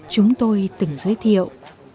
chúng tôi từng giới thiệu